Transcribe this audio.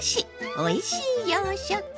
おいしい洋食！」。